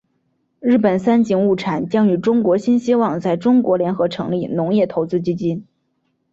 日本三井物产将与中国新希望在中国联合成立农业投资基金。